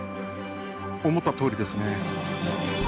思ったとおりですね。